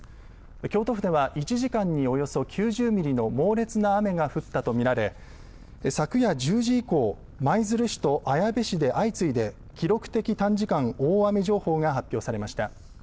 京都府では１時間におよそ９０ミリの猛烈な雨が降ったと見られ昨夜１０時以降舞鶴市と綾部市で相次いで記録的短時間大雨情報が発表されました。